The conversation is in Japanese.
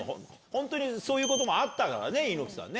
本当にそういうこともあったからね猪木さん。